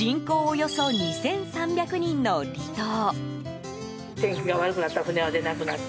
およそ２３００人の離島。